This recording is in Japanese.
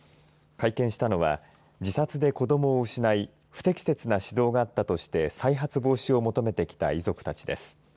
会見したのは自殺で子どもを失い不適切な指導があったとして再発防止を求めてきた遺族たちです。